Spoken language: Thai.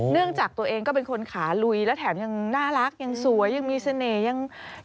จากตัวเองก็เป็นคนขาลุยและแถมยังน่ารักยังสวยยังมีเสน่ห์ยัง